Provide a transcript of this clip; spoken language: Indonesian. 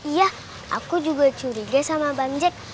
iya aku juga curiga sama bang jack